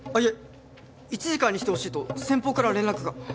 １時からにしてほしいと先方から連絡が。